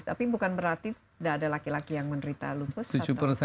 tapi bukan berarti tidak ada laki laki yang menderita lupus